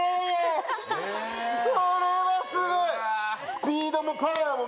これはすごい。